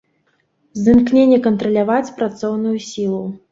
З імкнення кантраляваць працоўную сілу.